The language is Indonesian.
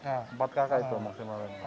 empat kakak itu maksimalnya